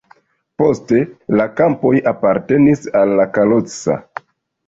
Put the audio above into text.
Poste la kampoj apartenis al Kalocsa.